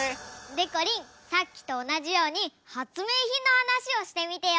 でこりんさっきとおなじようにはつめいひんのはなしをしてみてよ！